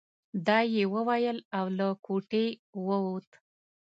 دا يې وويل او له کوټې ووت.